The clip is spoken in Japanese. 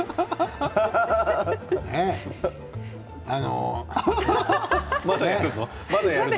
あの。